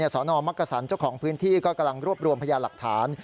สนมักกษันเจ้าของพื้นที่ก็กำลังรวบรวมพยาหลักฐาน